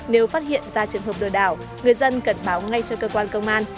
nếu phát hiện ra trường hợp lừa đảo người dân cần báo ngay cho cơ quan công an